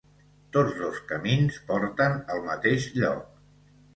Tots dos camins porten al mateix lloc